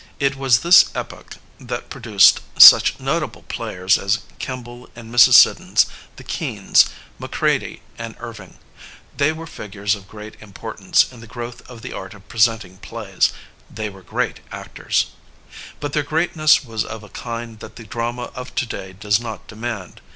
It was this epoch that produced such notable players as Kemble and Mrs. Siddons, the Keans, Macready and Irving. They were figures of great importance in the growth Digitized by LjOOQIC 558 THE ACTOR IN ENGLAND of the art of presenting plays. They were great actors. But their greatness was of a kind that the drama of to day does not demand.